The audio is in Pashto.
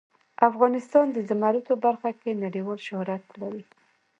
افغانستان د زمرد په برخه کې نړیوال شهرت لري.